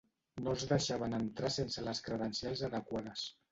No els deixaven entrar sense les credencials adequades.